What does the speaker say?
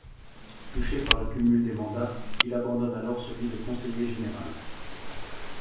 Touché par le cumul de mandats, il abandonne alors celui de conseiller général.